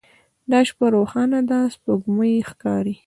دا شپه روښانه ده سپوږمۍ ښکاري